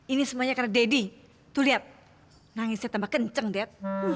ini semuanya karena daddy tuh liat nangisnya tambah kenceng dad